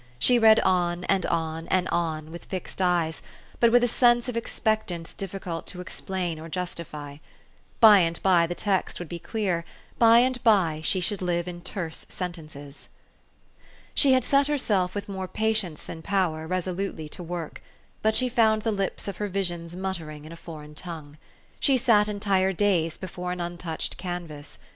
She read on and on and on, with fixed eyes, but with a sense of ex pectance difficult to explain or justify : by and by the text would be clear ; by and by she should live in terse sentences. She had set herself, with more patience than power, resolutely to work ; but she found the lips of her visions muttering in a foreign tongue. She sat entire days before an untouched canvas.